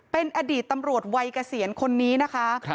เป็นอดีตตำรวจวัยเกษียณคนนี้นะคะ